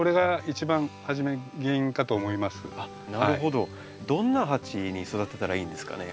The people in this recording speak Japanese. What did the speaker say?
どんな鉢に育てたらいいんですかね？